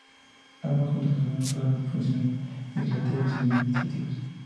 Ambas juntas asumieron todas las funciones legislativas y administrativas.